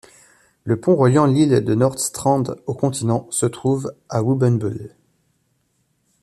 Le pont reliant l'île de Nordstrand au continent se trouve à Wobbenbüll.